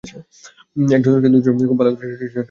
একজন, দুজন খুব ভালো খেললে সেটা থেকে বের হয়ে আসা কঠিন।